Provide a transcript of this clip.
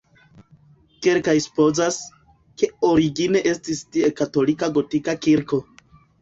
Kelkaj supozas, ke origine estis tie katolika gotika kirko.